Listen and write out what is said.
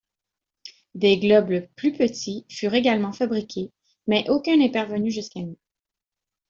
Des globes plus petits furent également fabriqués, mais aucun n'est parvenu jusqu'à nous.